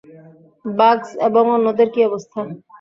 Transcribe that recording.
বাগস এবং অন্যদের কী অবস্থা?